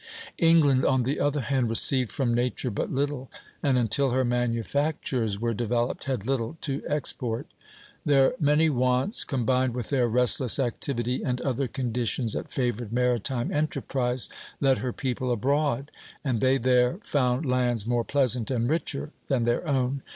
England, on the other hand, received from Nature but little, and, until her manufactures were developed, had little to export. Their many wants, combined with their restless activity and other conditions that favored maritime enterprise, led her people abroad; and they there found lands more pleasant and richer than their own.